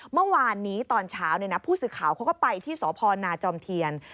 เมื่อวานนี้ตอนเช้าผู้สื่อข่าวเขาก็ไปที่สพนาจอมเทียน